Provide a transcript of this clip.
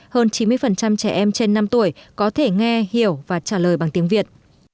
hơn chín mươi trẻ em trên năm tuổi có thể nghe hiểu và trả lời bằng tiếng việt